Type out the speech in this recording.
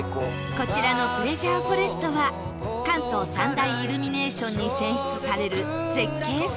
こちらのプレジャーフォレストは関東三大イルミネーションに選出される絶景スポット